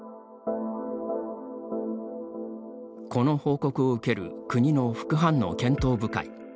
この報告を受ける国の副反応検討部会。